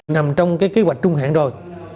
nằm trong cái kế hoạch trung hạn rồi